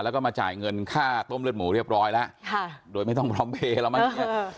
แล้วก็มาจ่ายเงินค่าต้มเลือดหมูเรียบร้อยแล้วโดยไม่ต้องพร้อมเพลย์แล้วมั้ง